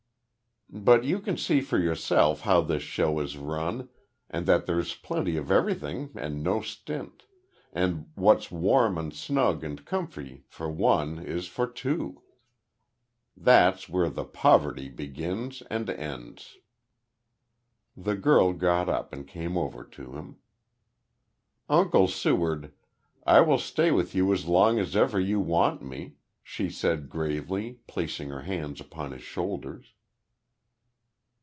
But you can see for yourself how this show is run, and that there's plenty of everything and no stint, and what's warm and snug and comfy for one is for two. That's where the `poverty' begins and ends." The girl got up and came over to him. "Uncle Seward, I will stay with you as long as ever you want me," she said gravely, placing her hands upon his shoulders.